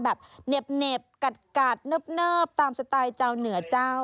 แบบเหน็บกัดเนิบตามสไตล์เจ้าเหนือเจ้า